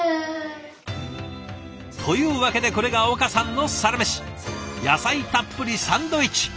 というわけでこれが岡さんのサラメシ野菜たっぷりサンドイッチ。